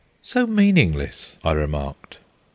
"So meaningless," I remarked.